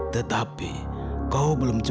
tetapi kau belum tahu